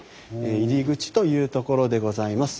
入り口というところでございます。